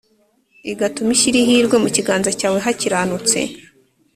igatuma ishyira ihirwe mu kibanza cyawe hakiranutse